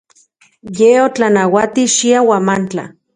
Ye otlanauati xia Huamantla.